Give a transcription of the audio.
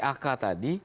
dalam bentuk dak tadi